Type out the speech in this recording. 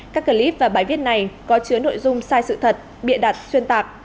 các clip và bài viết này có chứa nội dung sai sự thật bịa đặt xuyên tạc